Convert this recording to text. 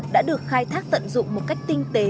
đã được khai thác tận dụng một cách tinh tế